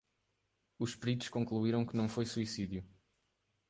Os peritos concluiram que não foi suicídio.